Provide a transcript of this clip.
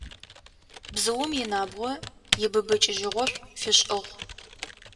Бзыум инабгъо ибыбыкӏыжьыгъошӏу фишӏыгъ.